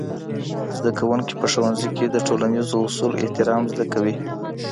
زدهکوونکي په ښوونځي کي د ټولنیزو اصولو احترام زده کوي.